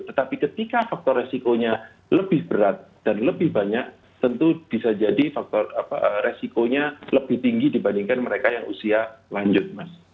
tetapi ketika faktor resikonya lebih berat dan lebih banyak tentu bisa jadi faktor resikonya lebih tinggi dibandingkan mereka yang usia lanjut mas